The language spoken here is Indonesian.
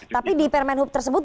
tapi di permahnup tersebut